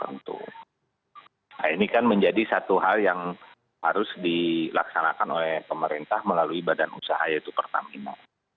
nah ini kan menjadi satu hal yang harus dilaksanakan oleh pemerintah melalui badan usaha yaitu pertamina